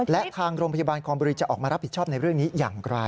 และทางโรงพยาบาลคอมบุรีจะออกมารับผิดชอบในเรื่องนี้อย่างไร